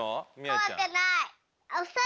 こわくない！